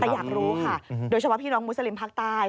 แต่อยากรู้ค่ะโดยเฉพาะพี่น้องมุสลิมภาคใต้